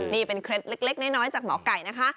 นี่เป็นเคล็ดเล็กน้อยจากหมอไก่นะคะ